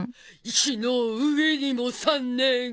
「石の上にも三年」